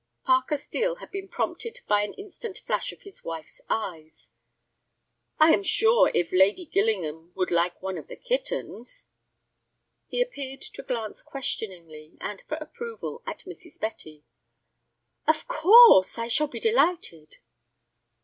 Parker Steel had been prompted by an instant flash of his wife's eyes. "I am sure if Lady Gillingham would like one of the kittens—" He appeared to glance questioningly, and for approval, at Mrs. Betty. "Of course—I shall be delighted."